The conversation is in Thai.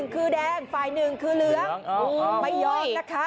กระด่มตัวลอยเลยแต่ว่า